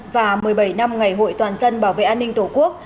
và một mươi bảy năm ngày hội toàn dân bảo vệ an ninh tổ quốc